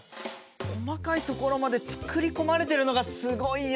細かい所まで作り込まれてるのがすごいよね！